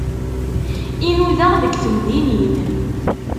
I nudaɣ deg temdinin.